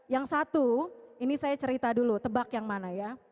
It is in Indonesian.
yang satu ini saya cerita dulu tebak yang mana ya